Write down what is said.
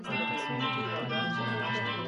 ټولنه اوس د یوې ځانګړې موضوع په توګه مطالعه کیږي.